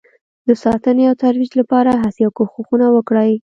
د ساتنې او ترویج لپاره هڅې او کوښښونه وکړئ